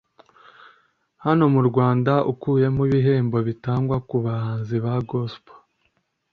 Hano mu Rwanda ukuyemo ibihembo bitangwa ku bahanzi ba Gospel